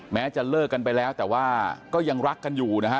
แม้จะเลิกกันไปแล้วแต่ว่าก็ยังรักกันอยู่นะฮะ